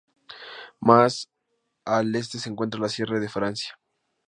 Más al este se encuentra la Sierra de Francia.